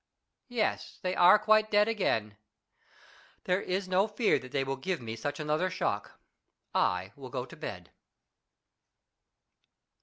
Yes, they are quite dead again. There is no fear that they will give me such another shock. I will go to bed.